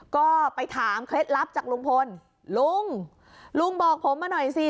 ก็ไปถามเคล็ดลับจากลุงพลลุงลุงบอกผมมาหน่อยสิ